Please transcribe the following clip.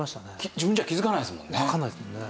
自分じゃ気づかないですもんね。